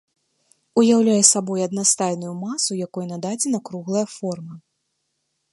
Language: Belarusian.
Уяўляе сабой аднастайную масу, якой нададзена круглая форма.